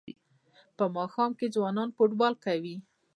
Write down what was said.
په ماښام کې ځوانان فوټبال کوي.